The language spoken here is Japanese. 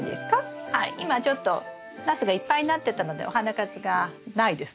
今ちょっとナスがいっぱいなってたのでお花数がないですね。